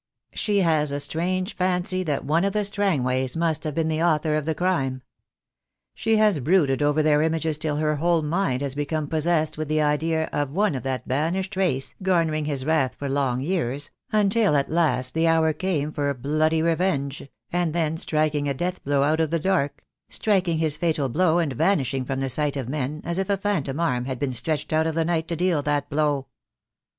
She has a strange fancy that one of the Strangways must have been the author of the crime. She has brooded over their images till her whole mind has become pos sessed with the idea of one of that banished race, garner ing his wrath for long years, until at last the hour came for a bloody revenge, and then striking a death blow out of the dark — striking his fatal blow and vanishing from the sight of men, as if a phantom arm had been stretched out of the night to deal that blow.